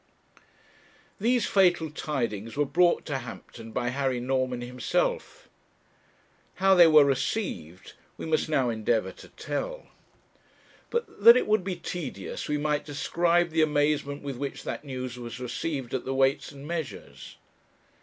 These fatal tidings were brought to Hampton by Harry Norman himself; how they were received we must now endeavour to tell. But that it would be tedious we might describe the amazement with which that news was received at the Weights and Measures.